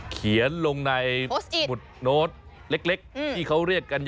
เขียนลงในโหมดโน้ตเห็น